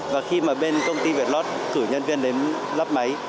và khi mà bên công ty việt lót thử nhân viên đến lắp máy